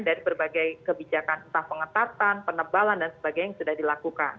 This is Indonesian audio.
dari berbagai kebijakan entah pengetatan penebalan dan sebagainya yang sudah dilakukan